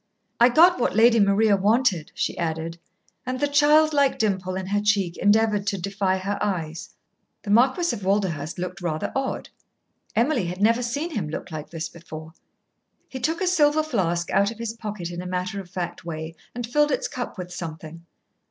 "I got what Lady Maria wanted," she added, and the childlike dimple in her cheek endeavoured to defy her eyes. The Marquis of Walderhurst looked rather odd. Emily had never seen him look like this before. He took a silver flask out of his pocket in a matter of fact way, and filled its cup with something.